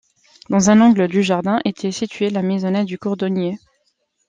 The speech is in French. Dans un angle du jardin était située la maisonnette du cordonnier.